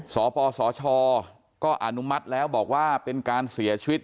สปสชก็อนุมัติแล้วบอกว่าเป็นการเสียชีวิต